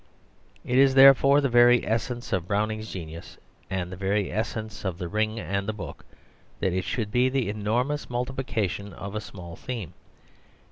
It is therefore the very essence of Browning's genius, and the very essence of The Ring and the Book, that it should be the enormous multiplication of a small theme.